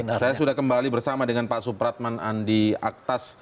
saya sudah kembali bersama dengan pak supratman andi aktas